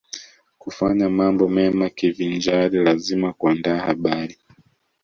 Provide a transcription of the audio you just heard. Kufanya mambo mema kivinjari lazima kuandaa habari